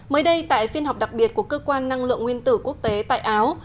mới đây tại phiên họp đặc biệt của cơ quan năng lượng nguyên tử quốc tế tại áo